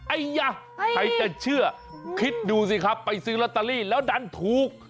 ไอ้ยะใครจะเชื่อคิดดูสิครับไปซื้อลอตเตอรี่แล้วดันถูก